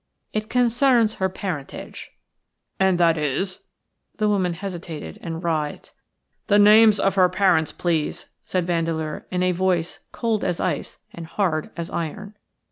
"It concerns her parentage." "And that is —?" The woman hesitated and writhed. "The names of her parents, please," said Vandeleur, in a voice cold as ice and hard as iron.